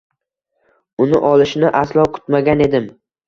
Uni olishini aslo kutmagan edim.